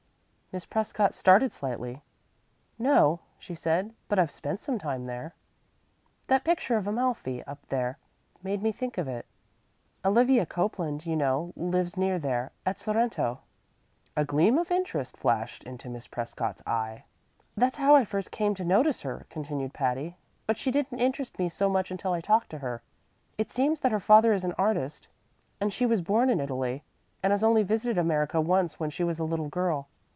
Miss Prescott started slightly. "No," she said; "but I've spent some time there." "That picture of Amalfi, up there, made me think of it. Olivia Copeland, you know, lives near there, at Sorrento." A gleam of interest flashed into Miss Prescott's eye. "That's how I first came to notice her," continued Patty; "but she didn't interest me so much until I talked to her. It seems that her father is an artist, and she was born in Italy, and has only visited America once when she was a little girl.